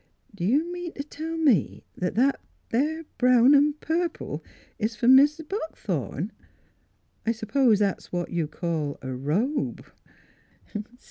" Do you .mean t' tell me that there brown an' purple is for Mis' Buckthorn? I s'pose that's what you call a robe."